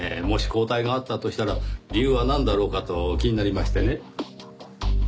もし交代があったとしたら理由はなんだろうかと気になりましてね。